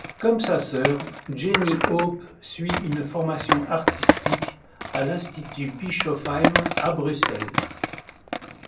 Comme sa sœur, Jenny Hoppe suit une formation artistique à l'Institut Bischoffsheim à Bruxelles.